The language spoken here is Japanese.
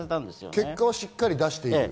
結果はしっかり出している。